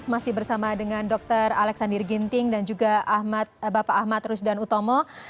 masih bersama dengan dr alexandir ginting dan juga bapak ahmad rusdan utomo